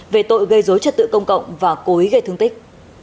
về tội gây dối trật tự công cộng và cố ý gây thương tích